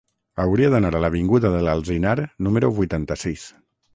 Hauria d'anar a l'avinguda de l'Alzinar número vuitanta-sis.